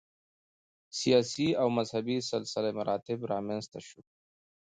سیاسي او مذهبي سلسله مراتب رامنځته شول